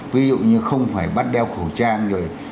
ví dụ như không phải bắt đeo khẩu trang rồi